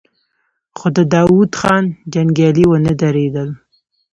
خو د داوود خان جنګيالي ونه درېدل.